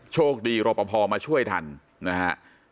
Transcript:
โชคดีรอปภมาช่วยทันนะฮะ